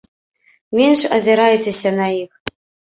Менш азірайцеся на іх.